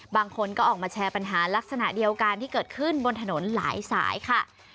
บางคนก็ออกมาแชร์ปัญหาลักษณะเดียวกันที่เกิดขึ้นบนถนนหลายสายค่ะ